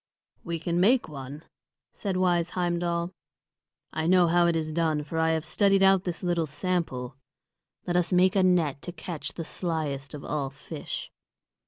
"We can make one," said wise Heimdal. "I know how it is done, for I have studied out this little sample. Let us make a net to catch the slyest of all fish."